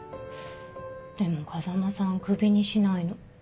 でも風間さん首にしないの。